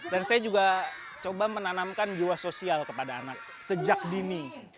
dan saya juga coba menanamkan jiwa sosial kepada anak sejak dini